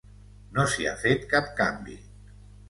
No s'hi ha fet cap canvi.